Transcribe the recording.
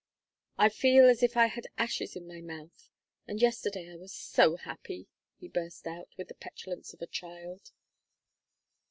I feel as if I had ashes in my mouth and yesterday I was so happy!" he burst out, with the petulance of a child.